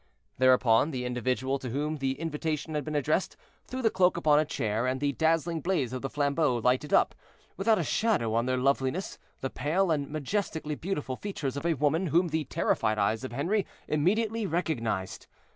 Thereupon the individual to whom the invitation had been addressed threw the cloak upon a chair, and the dazzling blaze of the flambeaux lighted up, without a shadow on their loveliness, the pale and majestically beautiful features of a woman whom the terrified eyes of Henri immediately recognized.